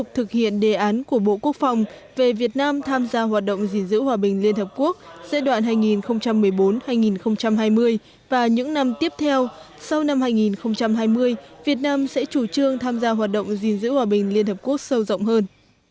cục diên dữ hòa bình việt nam sẽ tiếp tục thực hiện đề án của bộ quốc phòng về việt nam tham gia hoạt động diên dữ hòa bình liên hợp quốc giai đoạn hai nghìn một mươi bốn hai nghìn hai mươi và những năm tiếp theo sau năm hai nghìn hai mươi việt nam sẽ chủ trương tham gia hoạt động diên dữ hòa bình liên hợp quốc sâu rộng hơn